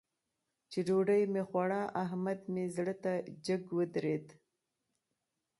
چې ډوډۍ مې خوړه؛ احمد مې زړه ته جګ ودرېد.